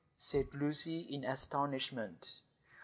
said Lucy, in astonishment.